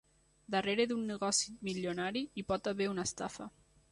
Darrere d'un negoci milionari hi pot haver una estafa.